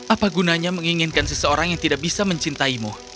apa gunanya menginginkan seseorang yang tidak bisa mencintaimu